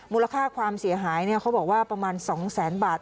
มูลค่าความเสียหายเขาบอกว่าประมาณ๒แสนบาท